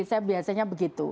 saya biasanya begitu